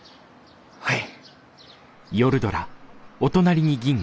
はい。